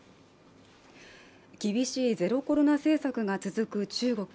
厳しいゼロコロナ政策が続く中国。